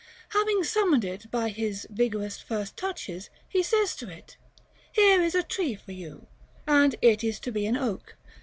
Having summoned it by his vigorous first touches, he says to it: "Here is a tree for you, and it is to be an oak.